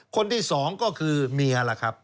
คนที่สองก็คือเมียล่ะครับ